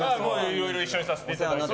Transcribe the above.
いろいろ一緒にさせていただいて。